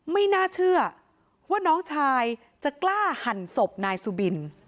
ไม่น่าเชื่อว่าน้องชายจะกล้าหั่นศพนายสุบิน